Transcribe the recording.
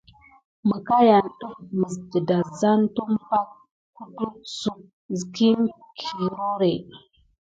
Məkayan yane def mis dedazan tumpay kutu suck kim kirore.